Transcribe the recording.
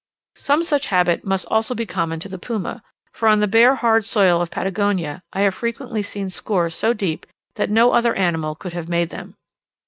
Some such habit must also be common to the puma, for on the bare hard soil of Patagonia I have frequently seen scores so deep that no other animal could have made them.